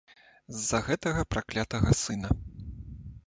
З-за гэтага праклятага сына.